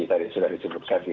tadi sudah disuruh suruh